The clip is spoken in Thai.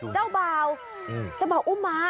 เจ้าบ่าวเจ้าบ่าวอุ้มม้า